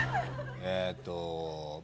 えっと。